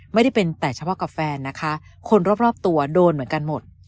ไม่ได้เป็นแต่เฉพาะกับแฟนนะคะคนรอบตัวโดนเหมือนกันหมด